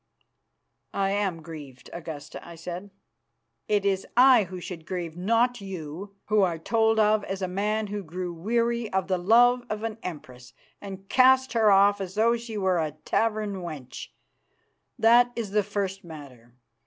"I am grieved, Augusta," I said. "It is I who should grieve, not you, who are told of as a man who grew weary of the love of an Empress, and cast her off as though she were a tavern wench. That is the first matter.